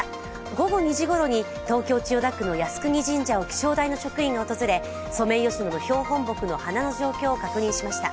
午後２時ごろに東京・千代田区の靖国神社を気象台の職員が訪れソメイヨシノ標本木の花の状況を確認しました。